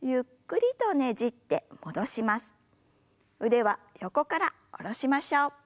腕は横から下ろしましょう。